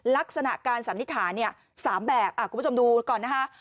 ลักษณะการสันนิษฐาน๓แบบคุณผู้ชมดูก่อนนะคะ